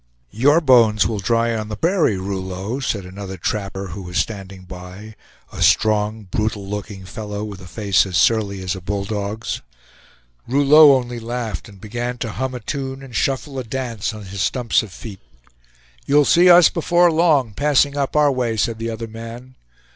"Your bones will dry on the prairie, Rouleau!" said another trapper, who was standing by; a strong, brutal looking fellow, with a face as surly as a bull dog's. Rouleau only laughed, and began to hum a tune and shuffle a dance on his stumps of feet. "You'll see us, before long, passing up our way," said the other man.